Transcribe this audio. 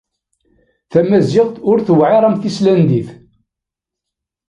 Tamaziɣt ur tewɛiṛ am tislandit.